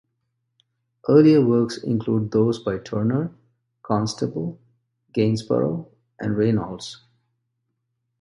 Earlier works include those by Turner, Constable, Gainsborough and Reynolds.